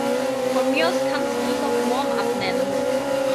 Von mir aus kannst du es auch Warmup nennen.